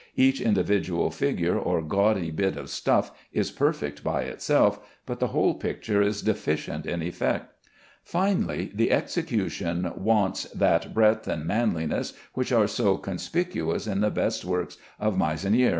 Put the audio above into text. Each individual figure or gaudy bit of stuff is perfect by itself, but the whole picture is deficient in effect. Finally, the execution wants that breadth and manliness which are so conspicuous in the best works of Meissonier.